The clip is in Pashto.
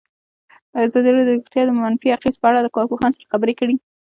ازادي راډیو د روغتیا د منفي اغېزو په اړه له کارپوهانو سره خبرې کړي.